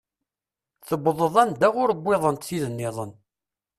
Tewḍeḍ anda ur wwiḍent tid nniḍen.